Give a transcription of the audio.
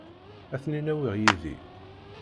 Ad ten-in-awiɣ yid-i.